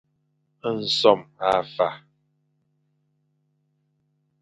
Nsome a fa.